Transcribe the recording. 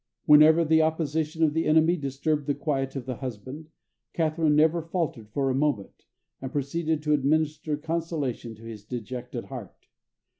Whenever the opposition of the enemy disturbed the quiet of the husband, Catharine never faltered for a moment, and proceeded to administer consolation to his dejected heart.